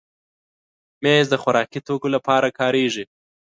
مېز د خوراکي توکو لپاره کارېږي.